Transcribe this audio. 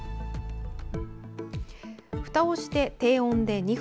ふたをして低温で２分。